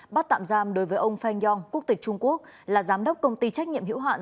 bắt tạm giam đối với ông feng yong quốc tịch trung quốc là giám đốc công ty trách nhiệm hữu hạn